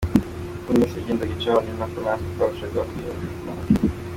Uko iminsi yagendaga icaho ni nako natwe twarushagaho kwiyumvanamo.